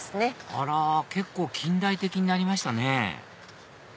あら結構近代的になりましたね